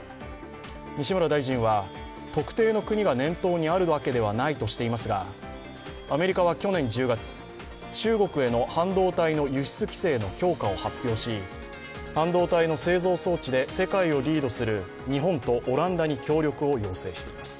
西村大臣は特定の国が念頭にあるわけではないとしていますが、アメリカは去年１０月、中国への半導体の輸出規制の強化を発表し、半導体の製造装置で世界をリードする日本とオランダに協力を要請しています。